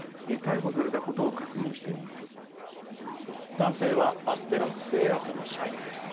男性はアステラス製薬の社員です。